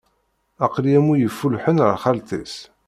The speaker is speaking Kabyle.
Aql-i am win i yeffulḥen ar xalt-is.